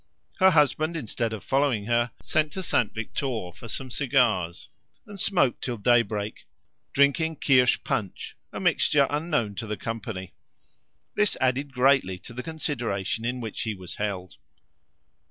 Her husband, instead of following her, sent to Saint Victor for some cigars, and smoked till daybreak, drinking kirsch punch, a mixture unknown to the company. This added greatly to the consideration in which he was held.